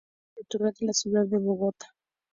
Es patrimonio cultural de la ciudad de Bogotá.